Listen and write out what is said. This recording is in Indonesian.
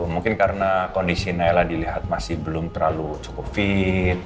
mungkin karena kondisi naila dilihat masih belum terlalu cukup fit